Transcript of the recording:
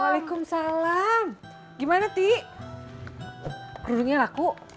waalaikumsalam gimana tik kerudungnya laku